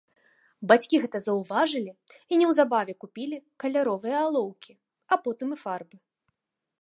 Бацькі гэта заўважылі і неўзабаве купілі каляровыя алоўкі, а потым і фарбы.